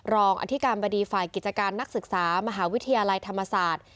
รองอธิการบดีฝ่ายกิจการนักศึกษามหาวิทยาลัยธรรมศาสตร์